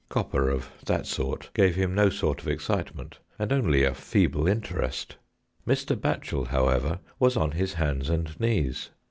Copper of that sort gave him no sort of excitement, and only a feeble interest. Mr. Batchel, however, was on his hands and knees.